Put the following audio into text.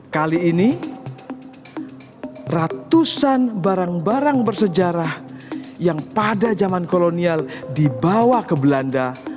kali ini ratusan barang barang bersejarah yang pada zaman kolonial dibawa ke belanda